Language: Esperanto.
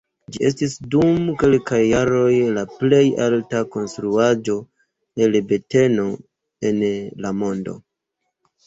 Ĝi estis dum kelkaj jaroj la plej alta konstruaĵo el betono en la mondo.